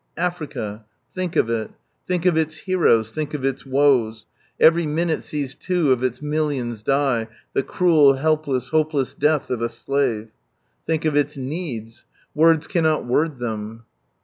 Africa. Think of it Think of its heroes, think of its woes. Every minute sees two of its millions die the cruel helpless hopeless death of a slave. Think of its needs. Words cannot word them.